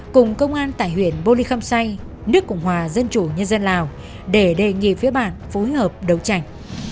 cùng công an tại huyện bô ly khâm say nước cộng hòa dân chủ nhân dân lào để đề nghị phía bản phối hợp đấu tranh